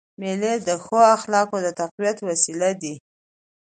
مېلې د ښو اخلاقو د تقویت وسیله دي.